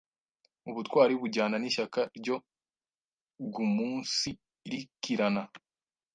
Ubutwari bujyana n’ishyaka ryo guumunsirikirana